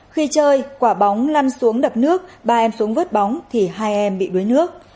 khi chơi quả bóng lăn xuống đập nước ba em xuống vớt bóng thì hai em bị đuối nước